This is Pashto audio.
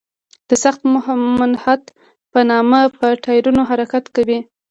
د سخت محنت په نامه په ټایرونو حرکت کوي.